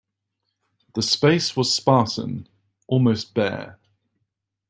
The space was spartan, almost bare.